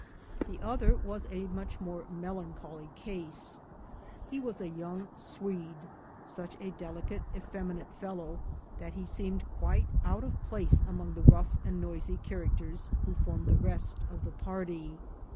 The other was a much more melancholy case. He was a young Swede — such a delicate, effeminate fellow that he seemed quite out of place among the rough and noisy characters who formed the rest of ACROSS THE ISTHMUS 47 the party.